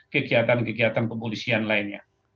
kegiatan kegiatan kepolisian lainnya